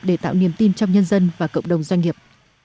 để tạo niềm tin trong nhân dân và cộng đồng doanh nghiệp